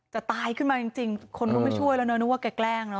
ตายขึ้นมาจริงคนก็ไม่ช่วยแล้วเนอนึกว่าแกแกล้งเนอ